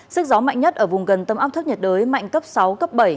sức gió mạnh nhất ở vùng gần tâm áp thấp nhiệt đới mạnh cấp sáu cấp bảy